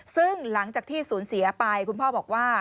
ซึ่งหลังจากที่สูญเสียไปคุณพ่อบอกว่า